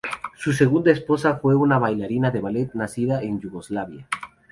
Su segunda esposa fue una bailarina de ballet nacida en Yugoslavia.